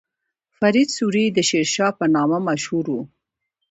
فرید سوري د شیرشاه په نامه مشهور و.